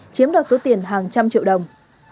chiếm đoạt số tiền hàng trăm triệu đồng